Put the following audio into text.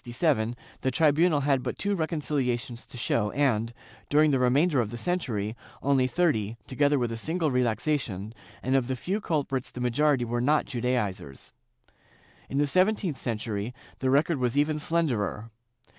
4, fol. 177. VOL. in 20 306 JEWS [Book VIII and 1567 the tribunal had but two reconciliations to show and, during the remainder of the century, only thirty, together with a single relaxation, and of these few culprits the majority were not Judaizers, In the seventeenth century, the record was even slenderer.